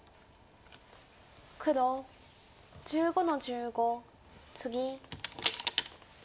黒１５の十五ツギ。